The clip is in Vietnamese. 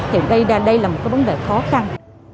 hiện đây là một cái vấn đề khó khăn